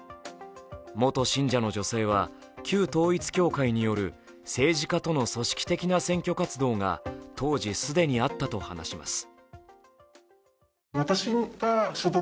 元信者の女性は旧統一教会による政治家との組織的な選挙活動が当時、既にあったと話します。